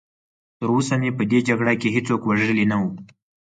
تراوسه مې په دې جګړه کې هېڅوک وژلی نه و.